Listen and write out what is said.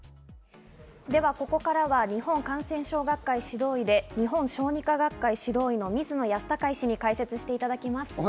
ここからは日本感染症学会指導医で日本小児科学会指導医の水野泰孝医師に解説していただきます。